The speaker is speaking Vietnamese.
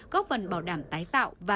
góp phần bảo đảm tái tạo và